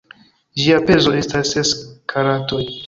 Ĝia pezo estas ses karatoj.